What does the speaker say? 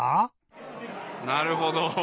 なるほど。